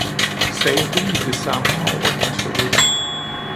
sagde det i det samme over hendes hoved.